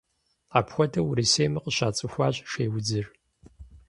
Апхуэдэу Урысейми къыщацӏыхуащ шейудзыр.